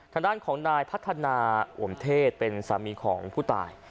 ทางด้านของนายพัฒนาอวมเทศเป็นสามีของผู้ตาย